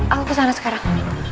aku kesana sekarang